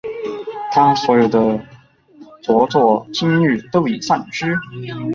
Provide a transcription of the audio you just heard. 他所有的着作今日都已散失。